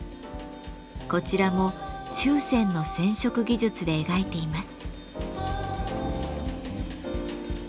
こちらも注染の染色技術で描いています。